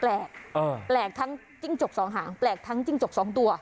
แปลกแปลกทั้งจิ้งจกสองหางแปลกทั้งจิ้งจกสองตัว